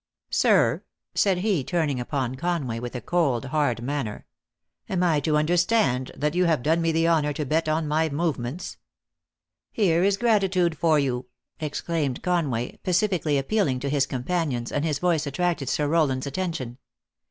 Sir !" said he, turning upon Con way, with a cold, hard manner. "Am I to understand that you have done me the honor to bet on my movements?" "Here is gratitude for yon," exclaimed Conway, pacifically appealing to his companions, and his voice attracted Sir Rowland s attention.